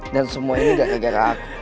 dan semua ini gak gara gara aku